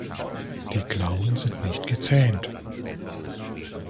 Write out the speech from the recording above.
Die Klauen sind nicht gezähnt.